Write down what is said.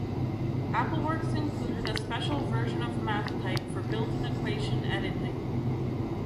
AppleWorks included a special version of MathType for built-in equation editing.